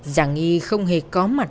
giả nghi không hề có mặt